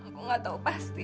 aku gak tau pasti